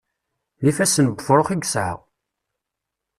D ifassen n wefṛux i yesɛa.